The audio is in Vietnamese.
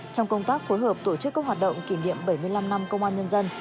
trong công tác phối hợp tổ chức các hoạt động kỷ niệm bảy mươi năm năm công an nhân dân